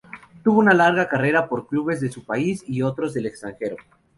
Tuvo una larga carrera por clubes de su país y otros del extranjero.